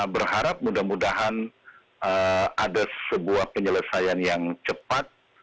berharap mudah mudahan ada sebuah penyelesaian yang cepat